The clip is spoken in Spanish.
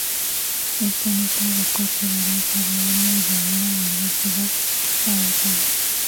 Esta nota de corte varía cada año y de una universidad a otra.